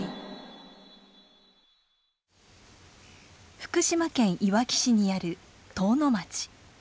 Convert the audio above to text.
福島県いわき市にある遠野町。